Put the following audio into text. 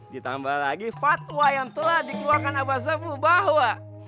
ditambah lagi fatwa yang telah dikeluarkan abah sabu bahwa